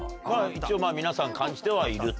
一応皆さん感じてはいると。